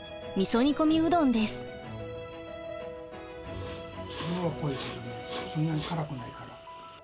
そんなにからくないから。